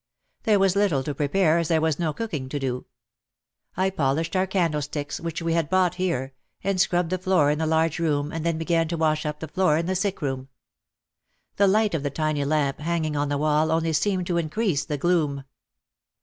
There was little to prepare as there was no cooking to do. I polished our candlesticks which we had bought here, and scrubbed the floor in the large room and then began to wash up the floor in the sick room. The light of the tiny lamp hanging on the wall only seemed to in crease the gloom.